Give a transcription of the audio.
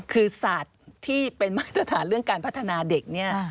คือศาสตร์ที่เป็นมาตรฐานเรื่องการพัฒนาเด็กเนี่ย